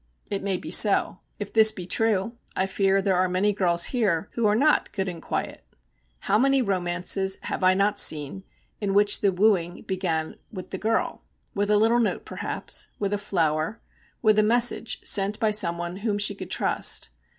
It may be so; if this be true, I fear there are many girls here who are not good and quiet. How many romances have I not seen in which the wooing began with the girl, with a little note perhaps, with a flower, with a message sent by someone whom she could trust!